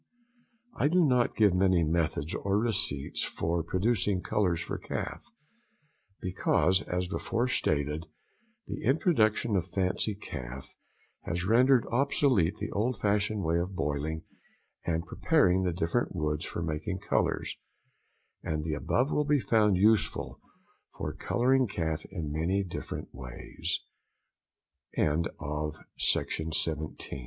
I do not give many methods or receipts for producing colours for calf, because, as before stated, the introduction of fancy calf has rendered obsolete the old fashioned way of boiling and preparing the different woods for making colours, and the above will be found useful for colouring calf in many